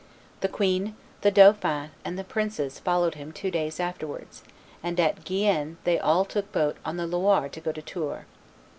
The queen, the dauphin, and the princes followed him two days afterwards, and at Gien they all took boat on the Loire to go to Tours.